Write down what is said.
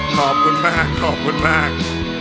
ขอบคุณมากขอบคุณมาก